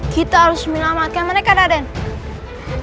kita harus melamatkan mereka raden